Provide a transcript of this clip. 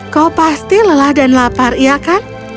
kau pasti lelah dan lapar iya kan